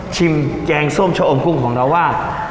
แกงส้มชะอมกุ้งของเราว่า